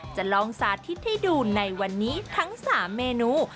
จะลองสาธิตให้ดูในวันนี้ทั้ง๓เมนู